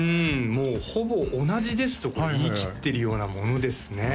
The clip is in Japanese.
もうほぼ同じですと言い切ってるようなものですね